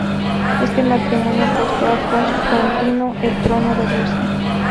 Este matrimonio costó a Constantino el trono de Rusia.